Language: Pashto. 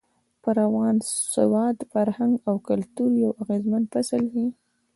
پر افغاني سواد، فرهنګ او کلتور يو اغېزمن فصل وي.